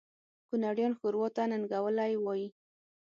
کونړیان ښوروا ته ننګولی وایي